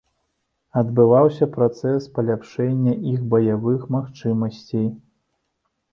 Адбываўся працэс паляпшэння іх баявых магчымасцей.